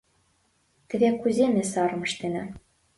Теве кузе ме сарым ыштена...